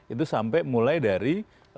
itu sampai mulai dari